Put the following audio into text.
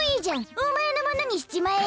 おまえのものにしちまえよ。